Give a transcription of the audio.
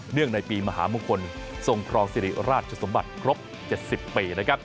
เนื่องในปีมหามงคลทรงครองสิริราชสมบัติครบ๗๐ปี